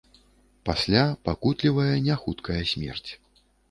Пасля пакутлівая няхуткая смерць.